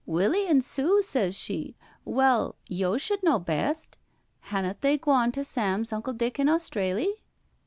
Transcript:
Willie an' Sue,' sez she. ' Well, yo' should know best. Hannot they gwon to Sam's Uncle Dick in Australy?'